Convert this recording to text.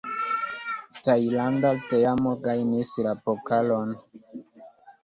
Tajlanda teamo gajnis la pokalon.